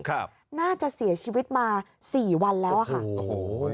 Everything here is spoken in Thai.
ครับน่าจะเสียชีวิตมาสี่วันแล้วอ่ะค่ะโอ้โห